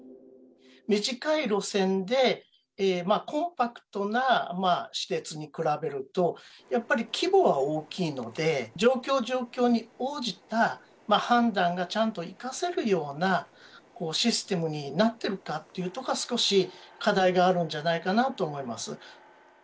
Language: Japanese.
短い路線でコンパクトな私鉄に比べると、やっぱり規模は大きいので、状況状況に応じた判断がちゃんと生かせるようなシステムになってるかっていうとこは、少し課題があるんじゃないかなと思います。